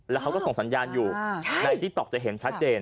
แล้วเขาก็ส่งสัญญาณอยู่ในติ๊กต๊อกจะเห็นชัดเจน